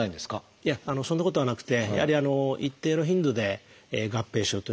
いやそんなことはなくてやはり一定の頻度で合併症というのは起こります。